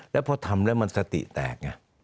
แล้วพอทำแล้วมันสติแตกไง